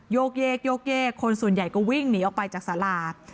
โยกเยกคนส่วนใหญ่ก็วิ่งหนีออกไปจากสารา